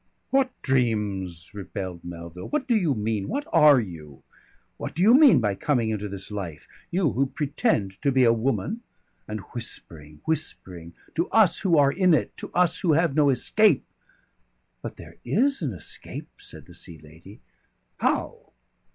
_" "What dreams?" rebelled Melville. "What do you mean? What are you? What do you mean by coming into this life you who pretend to be a woman and whispering, whispering ... to us who are in it, to us who have no escape." "But there is an escape," said the Sea Lady. "How?"